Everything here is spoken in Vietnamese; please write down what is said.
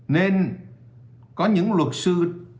nên có những luật sư